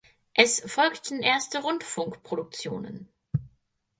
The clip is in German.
Es folgten erste Rundfunkproduktionen.